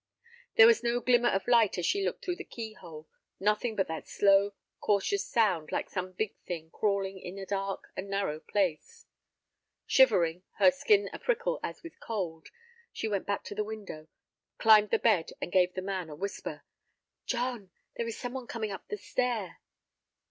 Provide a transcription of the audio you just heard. There was no glimmer of light as she looked through the key hole, nothing but that slow, cautious sound like some big thing crawling in a dark and narrow place. Shivering, her skin a prickle as with cold, she went back to the window, climbed the bed, and gave the man a whisper. "John, there is some one coming up the stair."